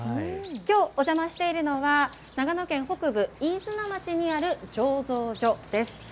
きょうお邪魔しているのは、長野県北部、飯綱町にある醸造所です。